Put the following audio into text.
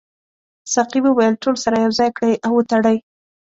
ساقي وویل ټول سره یو ځای کړئ او وتړئ.